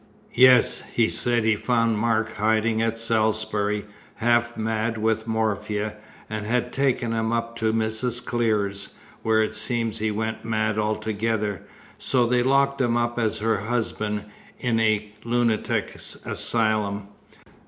"Yes. He said he'd found Mark hiding at Salisbury, half mad with morphia, and had taken him up to Mrs. Clear's, where it seems he went mad altogether, so they locked him up as her husband in a lunatic asylum.